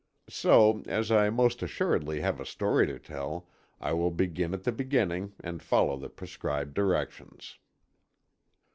So, as I most assuredly have a story to tell, I will begin at the beginning and follow the prescribed directions.